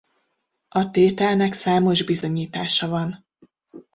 A tételnek számos bizonyítása van.